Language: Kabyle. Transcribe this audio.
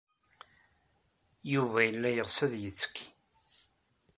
Yuba yella yeɣs ad yettekki.